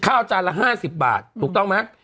ข้าวจาลละ๕๐บาทถูกต้องมั้ย